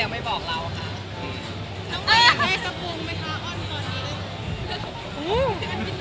เฮ้ซที่มันที่หนึ่ง